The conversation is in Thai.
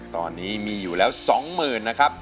ตอนนี้มีอยู่แล้ว๒๐๐๐นะครับ